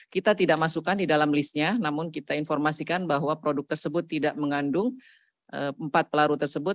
kita tidak masukkan di dalam listnya namun kita informasikan bahwa produk tersebut tidak mengandung empat pelarut tersebut